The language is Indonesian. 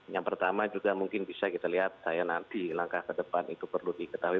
yang pertama juga mungkin bisa kita lihat saya nanti langkah ke depan itu perlu diketahui